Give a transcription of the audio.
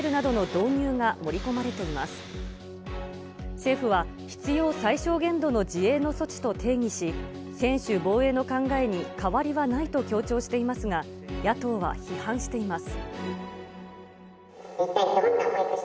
政府は必要最小限度の自衛の措置と定義し、専守防衛の考えに変わりはないと強調していますが、野党は批判しています。